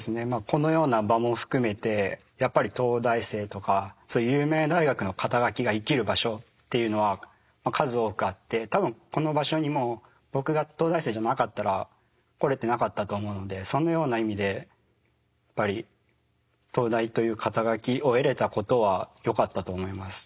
このような場も含めてやっぱり東大生とかそういう有名大学の肩書が生きる場所っていうのは数多くあって多分この場所にも僕が東大生じゃなかったら来れてなかったと思うのでそのような意味で東大という肩書を得れたことは良かったと思います。